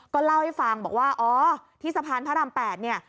ก็เล่าให้ฟังบอกว่าอ๋อที่สะพานพระราม๘เนี่ย